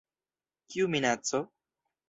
Kiu minaco?